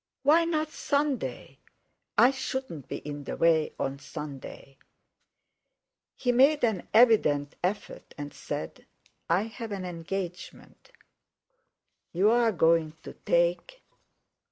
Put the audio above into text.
"Why not Sunday? I shouldn't be in the way on Sunday." He made an evident effort, and said: "I have an engagement." "You are going to take...."